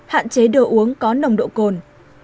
hạn chế đồ uống có nồng độ cồn